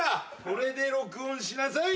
これで録音しなさい。